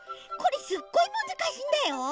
これすっごいむずかしいんだよ。